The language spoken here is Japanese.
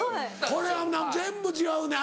これは全部違うねん。